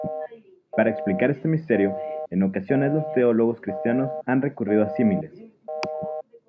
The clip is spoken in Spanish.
Para explicar este misterio, en ocasiones los teólogos cristianos han recurrido a símiles.